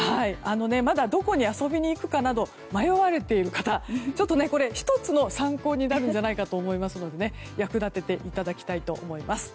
まだどこに遊びに行くかなど迷われている方、こちらが参考になるんじゃないかと思いますので役立てていただきたいと思います。